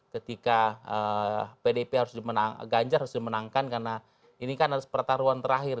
ketika pdip harus dimenang ganjar harus dimenangkan karena ini kan harus pertaruhan terakhir